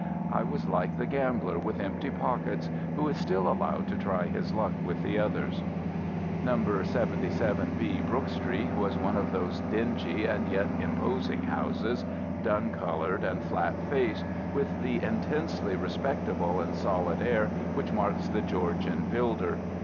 I was like the gambler with empty pockets, who is still allowed to try his luck with the others. No. 77B, Brook Street, was one of those dingy and yet imposing houses, dun coloured and flat faced, with the intensely respectable and solid air which marks the Georgian builder.